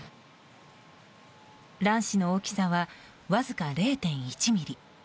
卵子の大きさはわずか０．１ｍｍ。